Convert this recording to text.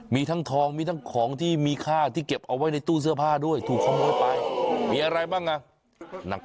มีทั้งทองมีทั้งของที่มีค่าที่เก็บเอาไว้ในตู้เสื้อผ้าด้วยถูกขโมยไปมีอะไรบ้างอ่ะ